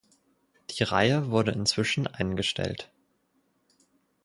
Die Reihe wurde inzwischen eingestellt.